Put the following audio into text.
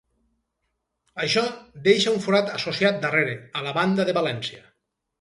Això deixa un forat associat darrere, a la banda de valència.